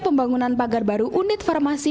pembangunan pagar baru unit farmasi